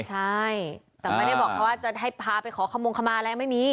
ใช่แต่ไม่ได้บอกเขาว่าจะให้พาไปขอขมงขมาแล้วไม่มี